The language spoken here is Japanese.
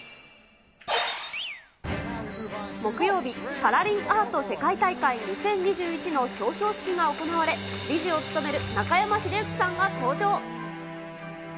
木曜日、パラリンアート世界大会２０２１の表彰式が行われ、理事を務める中山秀征さんが登場。